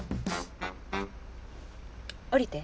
降りて。